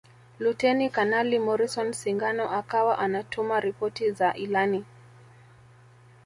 Luteni Kanali Morrison Singano akawa anatuma ripoti za ilani